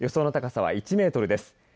予想の高さは１メートルです。